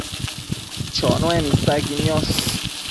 Chonuen isaqui niosh